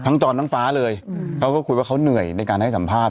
จรทั้งฟ้าเลยเขาก็คุยว่าเขาเหนื่อยในการให้สัมภาษณ